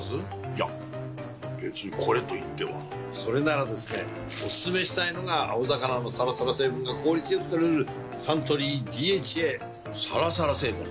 いや別にこれといってはそれならですねおすすめしたいのが青魚のサラサラ成分が効率良く摂れるサントリー「ＤＨＡ」サラサラ成分？